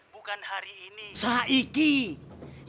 bukan hari ini sehari ini